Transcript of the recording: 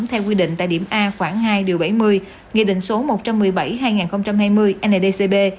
theo quy định tại điểm a khoảng hai điều bảy mươi nghị định số một trăm một mươi bảy hai nghìn hai mươi ndcb